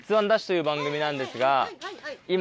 ＤＡＳＨ‼』という番組なんですが今。